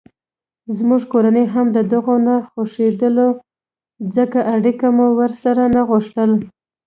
زموږ کورنۍ هم دهغو نه خوښېدله ځکه اړیکه مو ورسره نه غوښته.